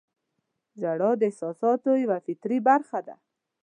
• ژړا د احساساتو یوه فطري برخه ده.